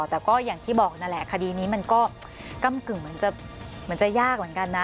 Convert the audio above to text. แต่อย่างที่บอกนะคดีนี้อากาศมันก้ำกึ่งเป็นยากเหมือนกัน